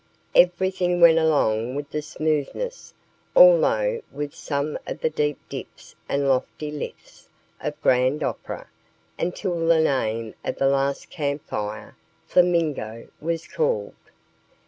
Everything went along with the smoothness, although with some of the deep dips and lofty lifts, of Grand Opera, until the name of the last Camp Fire, Flamingo, was called.